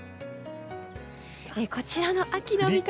こちらの秋の味覚。